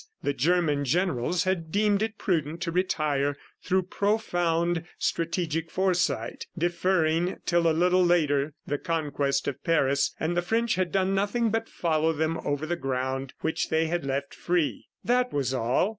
The German generals had deemed it prudent to retire through profound strategic foresight, deferring till a little later the conquest of Paris, and the French had done nothing but follow them over the ground which they had left free. That was all.